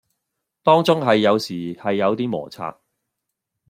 當中係有時係有啲磨擦